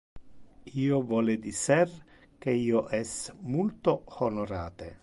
Io vole dicer que io es multo honorate.